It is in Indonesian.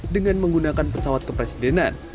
dengan menggunakan pesawat kepresidenan